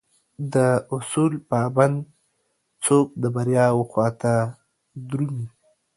داصول پابند څوک دبریاوخواته درومي